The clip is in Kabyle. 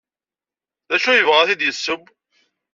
D acu ay yebɣa ad t-id-yesseww?